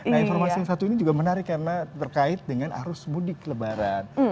nah informasi yang satu ini juga menarik karena terkait dengan arus mudik lebaran